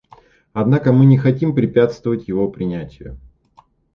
Однако мы не хотим препятствовать его принятию.